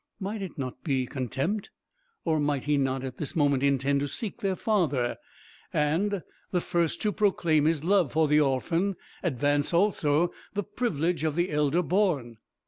Might it not be contempt, or might he not, at this moment, intend to seek their father; and, the first to proclaim his love for the orphan, advance, also, the privilege of the elder born?